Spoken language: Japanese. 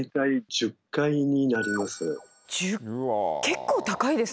１０結構高いですね。